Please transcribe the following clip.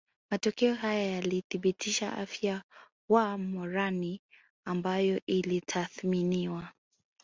Matokeo haya yalithibitisha afya wa wamoran ambayo ilitathminiwa